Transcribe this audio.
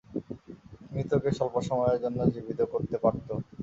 মৃতকে স্বল্প সময়ের জন্য জীবিত করতে পারত।